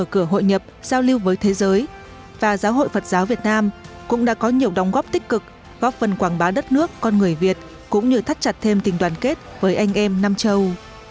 mở cửa hội nhập giao lưu với thế giới và giáo hội phật giáo việt nam cũng đã có nhiều đóng góp tích cực góp phần quảng bá đất nước con người việt cũng như thắt chặt thêm tình đoàn kết với anh em nam châu